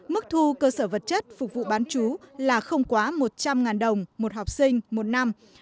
mức thu cơ sở vật chất phục vụ bán chú là không quá một trăm linh đồng một học sinh một năm